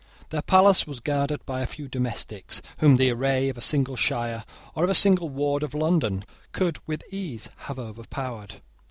Their palace was guarded by a few domestics, whom the array of a single shire, or of a single ward of London, could with ease have overpowered.